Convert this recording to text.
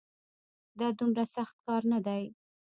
دا دومره سخت کار نه دی